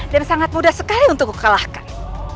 dan sangat mudah sekali untuk kukalahkan